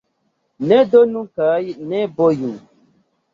Ne donu kaj ne boju.